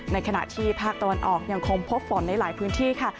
ในขณะที่ภาคตะวันออกยังคงพบฝนในหลายพื้นที่ค่ะ